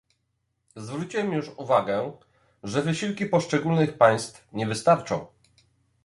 Zwróciłem już uwagę, że wysiłki poszczególnych państw nie wystarczą